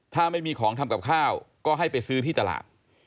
ถ้าไม่มีของทำกับข้าวก็ให้ไปซื้อที่ตลาด